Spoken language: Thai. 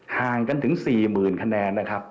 หายถึงสี่หมื่นคะแนนนะครับ